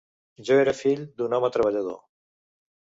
Jo era fill d'un home treballador.